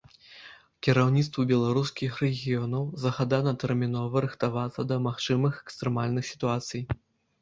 Кіраўніцтву беларускіх рэгіёнаў загадана тэрмінова рыхтавацца да магчымых экстрэмальных сітуацый.